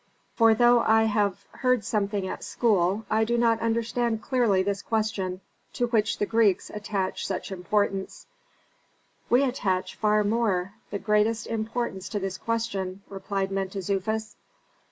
for though I have heard something at school I do not understand clearly this question, to which the Greeks attach such importance." "We attach far more, the greatest importance to this question," replied Mentezufis.